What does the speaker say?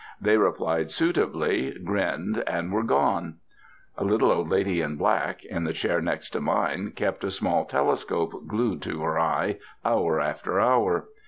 They replied suitably, grinned, and were gone. A little old lady in black, in the chair next mine, kept a small telescope glued to her eye, hour after hour.